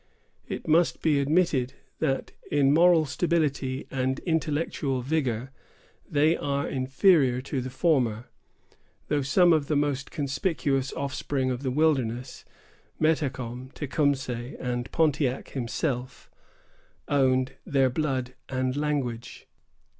It must be admitted that, in moral stability and intellectual vigor, they are inferior to the former; though some of the most conspicuous offspring of the wilderness, Metacom, Tecumseh, and Pontiac himself, owned their blood and language.